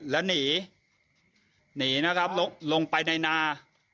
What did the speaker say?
แล้วหนีหนีนะครับลงไปในนา